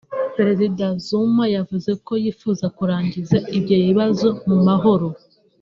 Perezida Zuma yavuze ko yifuza kurangiza ibyo bibazo mu mahoro